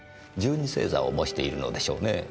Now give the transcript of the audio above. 星座を模しているのでしょうねぇ。